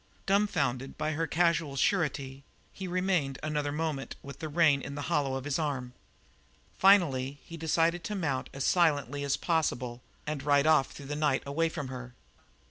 Dumfounded by her casual surety, he remained another moment with the rein in the hollow of his arm. Finally he decided to mount as silently as possible and ride off through the night away from her.